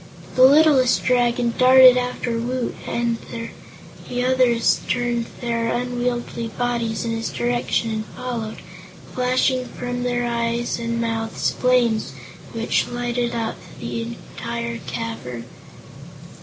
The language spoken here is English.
The littlest Dragon darted after Woot and the others turned their unwieldy bodies in his direction and followed, flashing from their eyes and mouths flames which lighted up the entire cavern.